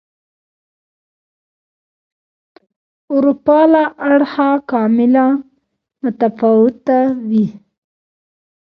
اروپا له اړخه کاملا متفاوته وه.